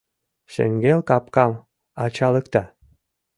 Шеҥгел капкам ачалыкта.